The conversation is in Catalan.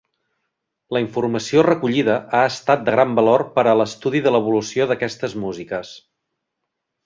La informació recollida ha estat de gran valor per a l'estudi de l'evolució d'aquestes músiques.